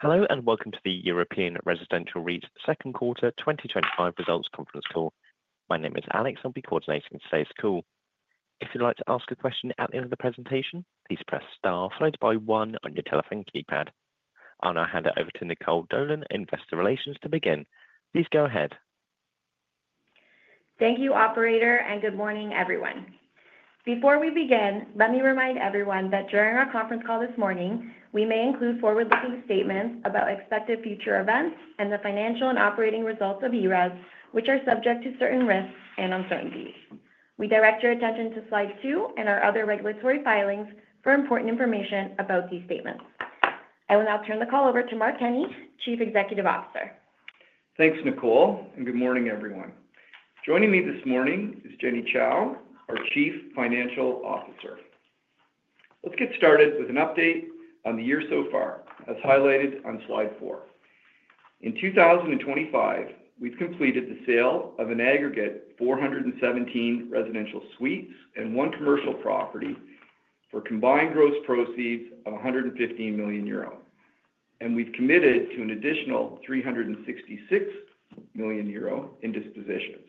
Hello and welcome to the European Residential REIT Second Quarter 2025 Results Conference Call. My name is Alex, and I'll be coordinating today's call. If you'd like to ask a question at the end of the presentation, please press star followed by one on your telephone keypad. I'll now hand it over to Nicole Dolan, Investor Relations, to begin. Please go ahead. Thank you, Operator, and good morning, everyone. Before we begin, let me remind everyone that during our conference call this morning, we may include forward-looking statements about expected future events and the financial and operating results of ERREIT, which are subject to certain risks and uncertainties. We direct your attention to slide two and our other regulatory filings for important information about these statements. I will now turn the call over to Mark Kenney, Chief Executive Officer. Thanks, Nicole, and good morning, everyone. Joining me this morning is Jenny Chou, our Chief Financial Officer. Let's get started with an update on the year so far, as highlighted on slide four. In 2025, we've completed the sale of an aggregate of 417 residential suites and one commercial property for combined gross proceeds of €115 million, and we've committed to an additional €366 million in dispositions,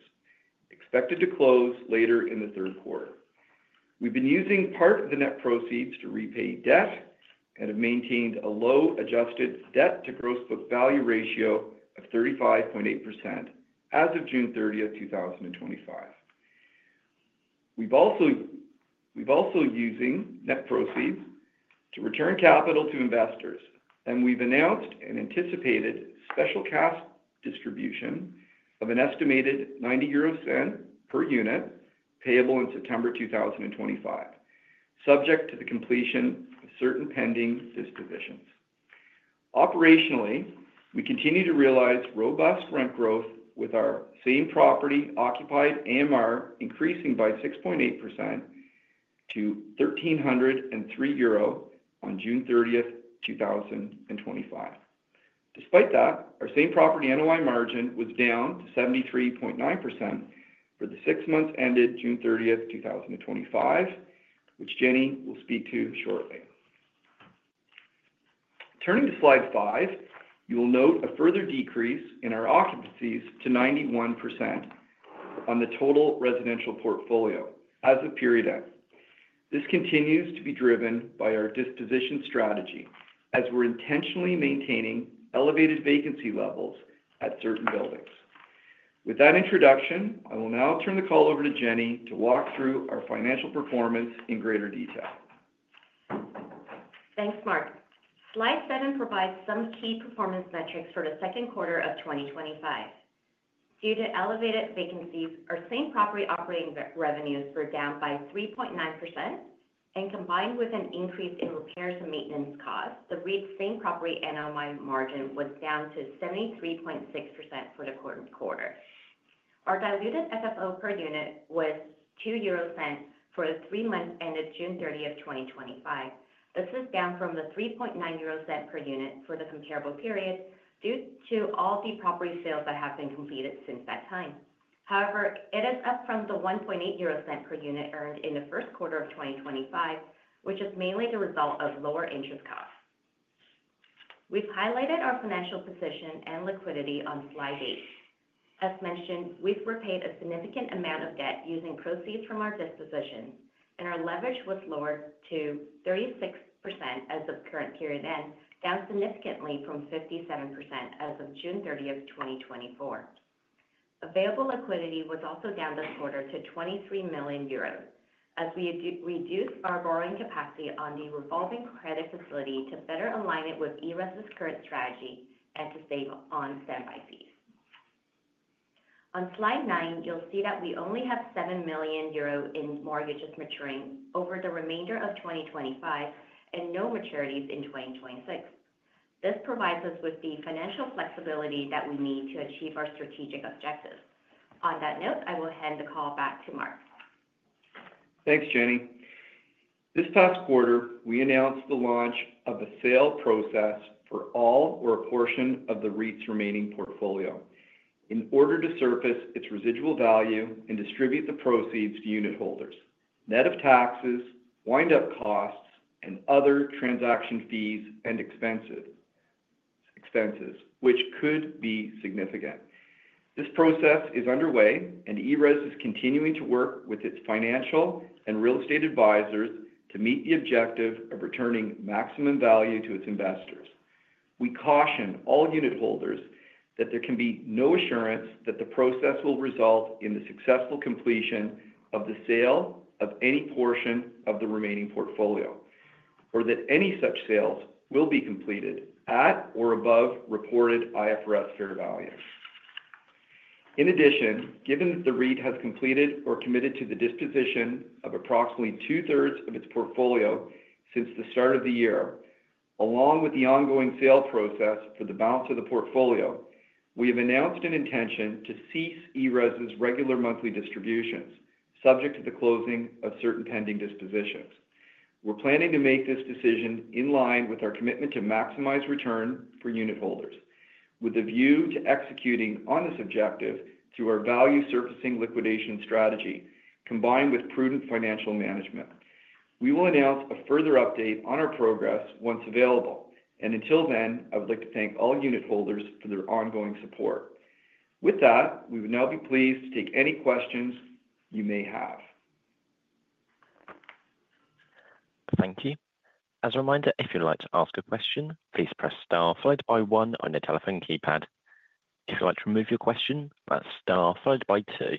expected to close later in the third quarter. We've been using part of the net proceeds to repay debt and have maintained a low adjusted debt-to-gross book value ratio of 35.8% as of June 30, 2025. We've also been using net proceeds to return capital to investors, and we've announced an anticipated special cash distribution of an estimated €90 per unit payable in September 2025, subject to the completion of certain pending dispositions. Operationally, we continue to realize robust rent growth with our same property occupied AMR increasing by 6.8% to €1,303 on June 30, 2025. Despite that, our same property NOI margin was down to 73.9% for the six months ended June 30, 2025, which Jenny will speak to shortly. Turning to slide five, you will note a further decrease in our occupancies to 91% on the total residential portfolio as the period ends. This continues to be driven by our disposition strategy, as we're intentionally maintaining elevated vacancy levels at certain buildings. With that introduction, I will now turn the call over to Jenny to walk through our financial performance in greater detail. Thanks, Mark. Slide seven provides some key performance metrics for the second quarter of 2025. Due to elevated vacancies, our same property operating revenues were down by 3.9%, and combined with an increase in repairs and maintenance costs, the REIT's same property NOI margin was down to 73.6% for the current quarter. Our diluted FFO per unit was €0.02 for the three months ended June 30, 2025. This is down from the €3.90 per unit for the comparable period due to all the property sales that have been completed since that time. However, it is up from the €1.80 per unit earned in the first quarter of 2025, which is mainly the result of lower interest costs. We've highlighted our financial position and liquidity on slide eight. As mention, we've repaid a significant amount of debt using proceeds from our dispositions, and our leverage was lowered to 36% as of the current period, and down significantly from 57% as of June 30, 2024. Available liquidity was also down this quarter to €23 million, as we reduced our borrowing capacity on the revolving credit facility to better align it with ERREIT's current strategy and to save on standby fees. On slide nine, you'll see that we only have €7 million in mortgages maturing over the remainder of 2025 and no maturities in 2026. This provides us with the financial flexibility that we need to achieve our strategic objectives. On that note, I will hand the call back to Mark. Thanks, Jenny. This past quarter, we announced the launch of a sale process for all or a portion of the REIT's remaining portfolio in order to surface its residual value and distribute the proceeds to unit holders, net of taxes, wind-up costs, and other transaction fees and expenses, which could be significant. This process is underway, and ERREIT is continuing to work with its financial and real estate advisors to meet the objective of returning maximum value to its investors. We caution all unit holders that there can be no assurance that the process will result in the successful completion of the sale of any portion of the remaining portfolio, or that any such sales will be completed at or above reported IFRS fair value. In addition, given that the REIT has completed or committed to the disposition of approximately two-thirds of its portfolio since the start of the year, along with the ongoing sales process for the balance of the portfolio, we have announced an intention to cease ERREIT's regular monthly distributions, subject to the closing of certain pending dispositions. We're planning to make this decision in line with our commitment to maximize return for unit holders, with a view to executing on this objective through our value-surfacing liquidation strategy, combined with prudent financial management. We will announce a further update on our progress once available, and until then, I would like to thank all unit holders for their ongoing support. With that, we would now be pleased to take any questions you may have. Thank you. As a reminder, if you'd like to ask a question, please press star followed by one on your telephone keypad. If you'd like to remove your question, that's star followed by two.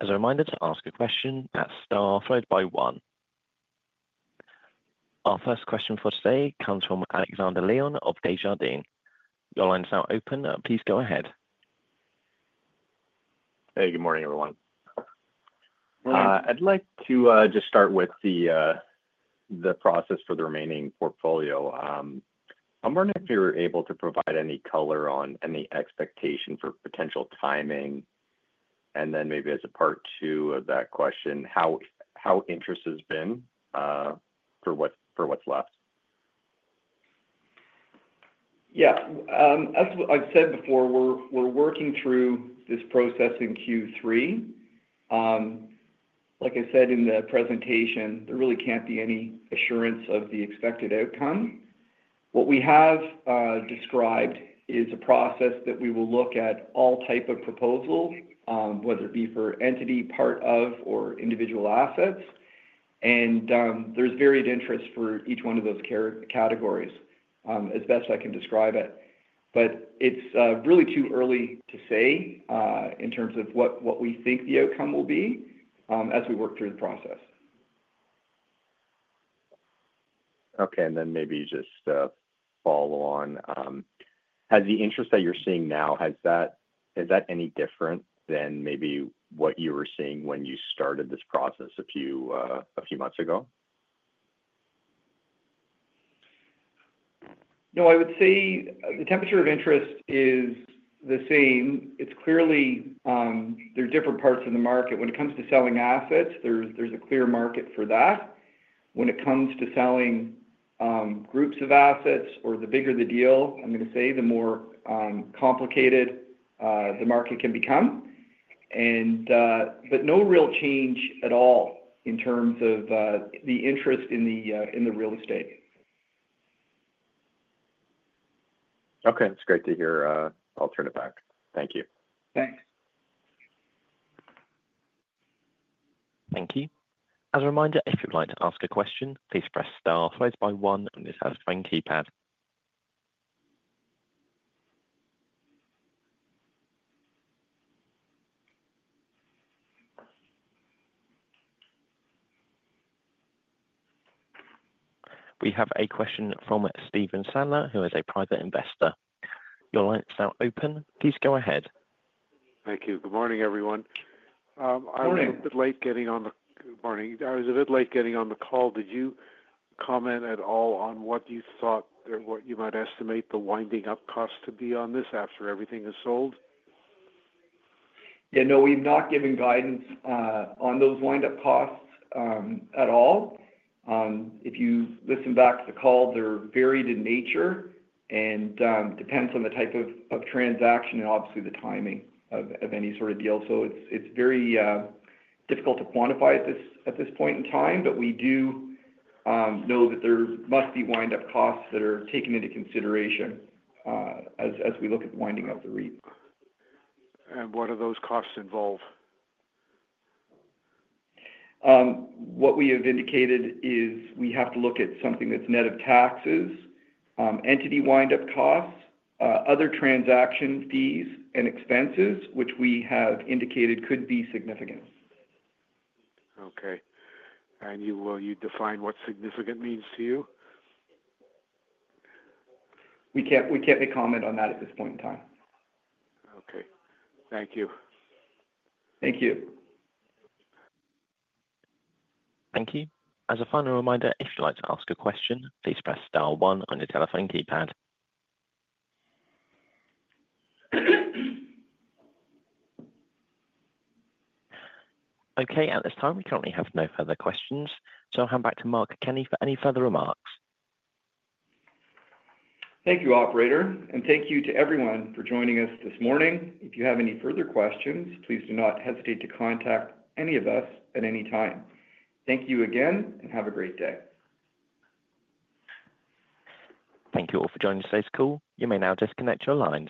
As a reminder to ask a question, that's star followed by one. Our first question for today comes from Alexander Leon of Desjardins. Your line is now open. Please go ahead. Good morning, everyone. I'd like to just start with the process for the remaining portfolio. I'm wondering if you're able to provide any color on any expectation for potential timing, and then maybe as a part two of that question, how interest has been for what's left. As I've said before, we're working through this process in Q3. Like I said in the presentation, there really can't be any assurance of the expected outcome. What we have described is a process that we will look at all types of proposals, whether it be for entity, part of, or individual assets, and there's varied interest for each one of those categories, as best I can describe it. It's really too early to say in terms of what we think the outcome will be as we work through the process. Okay, maybe just to follow on, has the interest that you're seeing now, is that any different than maybe what you were seeing when you started this process a few months ago? No, I would say the temperature of interest is the same. It's clear there are different parts of the market. When it comes to selling assets, there's a clear market for that. When it comes to selling groups of assets, or the bigger the deal, I'm going to say the more complicated the market can become. No real change at all in terms of the interest in the real estate. Okay, that's great to hear. I'll turn it back. Thank you. Thanks. Thank you. As a reminder, if you'd like to ask a question, please press star followed by one on your telephone keypad. We have a question from Stephen Sanner, who is a private investor. Your line is now open. Please go ahead. Thank you. Good morning, everyone. Morning. I was a bit late getting on the call. Did you comment at all on what you thought or what you might estimate the winding up costs to be on this after everything is sold? Yeah, no, we've not given guidance on those wind-up costs at all. If you listen back to the call, they're varied in nature and depend on the type of transaction and obviously the timing of any sort of deal. It's very difficult to quantify at this point in time, but we do know that there must be wind-up costs that are taken into consideration as we look at the winding of the REIT. What do those costs involve? What we have indicated is we have to look at something that's net of taxes, entity wind-up costs, other transaction fees and expenses, which we have indicated could be significant. Okay. Will you define what significant means to you? We can't make comment on that at this point in time. Okay, thank you. Thank you. Thank you. As a final reminder, if you'd like to ask a question, please press star one on your telephone keypad. At this time, we currently have no further questions, so I'll hand back to Mark Kenney for any further remarks. Thank you, Operator, and thank you to everyone for joining us this morning. If you have any further questions, please do not hesitate to contact any of us at any time. Thank you again and have a great day. Thank you all for joining today's call. You may now disconnect your lines.